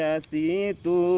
pada kaum kamu